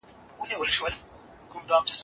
افغانانو د وسلو او توپونو ټولې زیرمې ترلاسه کړې.